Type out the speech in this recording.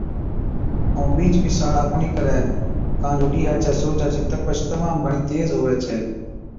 ائُون ٻِيج بِي ساڙا ڪونهِي ڪرَي ڪان جو ڏِيهان چَي سُورجا چِي تپش تمام گھڻِي تيز هُوَي ڇَي۔